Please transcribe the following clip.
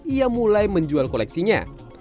ia mulai menjual koleksinya